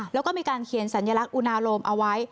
แล้วก็มีการเขียนสัญลักษณ์อุณาโลมเอาไว้